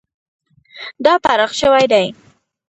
دا پراخ شوی دی.